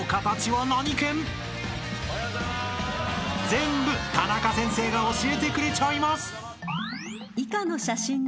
［全部タナカ先生が教えてくれちゃいます！］